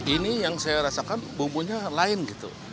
ini yang saya rasakan bumbunya lain gitu